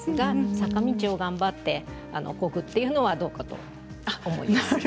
坂道を頑張ってこぐというのはどうかと思います。